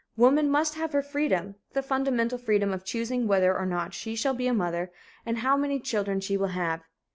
Woman must have her freedom the fundamental freedom of choosing whether or not she shall be a mother and how many children she will have.